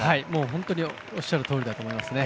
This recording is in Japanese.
本当におっしゃるとおりだと思いますね。